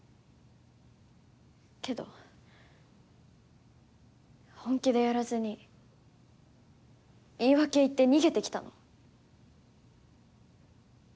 けど本気でやらずに言い訳言って逃げてきたの。